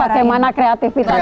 karena bagaimana kreatifitasnya